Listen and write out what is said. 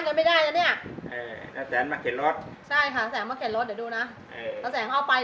ข้างนี้ออกจากมันก็ไม่ได้นะเนี้ย